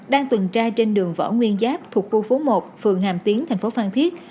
đang tuần tra trên đường võ nguyên giáp thuộc khu phố một phường hàm tiến thành phố phan thiết